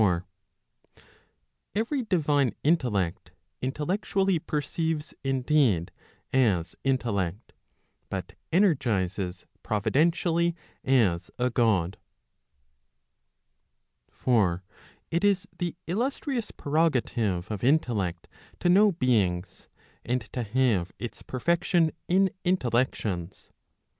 Every divine intellect, intellectually perceives indeed, as intellect, but energizes providentially as a God. For it is the illustrious prerogative of intellect to know beings, and to have its perfection in intellections.